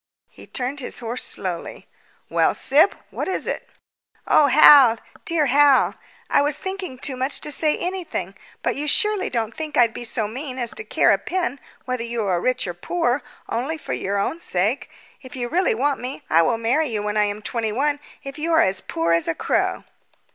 He turned his horse slowly. "Well, Syb, what is it?" "Oh, Hal, dear Hal! I was thinking too much to say anything; but you surely don't think I'd be so mean as to care a pin whether you are rich or poor only for your own sake? If you really want me, I will marry you when I am twenty one if you are as poor as a crow."